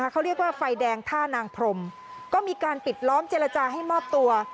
เขาเรียกว่าไฟแดงท่านางพรมก็มีการปิดล้อมเจรจาให้มอบตัว